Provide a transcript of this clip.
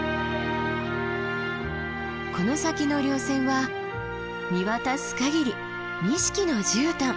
この先の稜線は見渡す限り錦のじゅうたん。